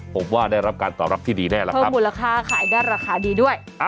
ผมว่าได้รับการตอบรับที่ดีแน่แล้วครับเพิ่มมูลค่าขายได้ราคาดีด้วย